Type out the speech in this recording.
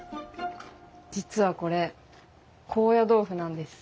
実はこれ高野豆腐なんです。